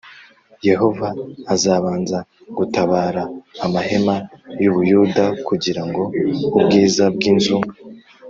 Yehova azabanza gutabara amahema y u Buyuda kugira ngo ubwiza bw inzu